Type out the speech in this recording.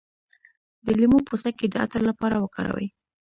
د لیمو پوستکی د عطر لپاره وکاروئ